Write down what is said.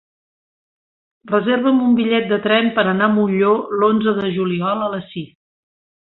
Reserva'm un bitllet de tren per anar a Molló l'onze de juliol a les sis.